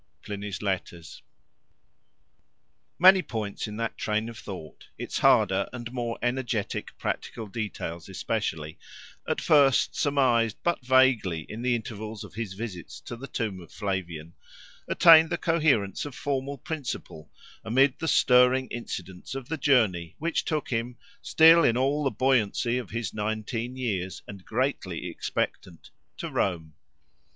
Pliny's Letters. Many points in that train of thought, its harder and more energetic practical details especially, at first surmised but vaguely in the intervals of his visits to the tomb of Flavian, attained the coherence of formal principle amid the stirring incidents of the journey, which took him, still in all the buoyancy of his nineteen years and greatly expectant, to Rome.